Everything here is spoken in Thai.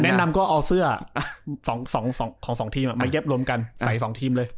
แนะนำก็เอาเสื้อ๒ทีมมาเย็บรวมกันใส่๒ทีมเลย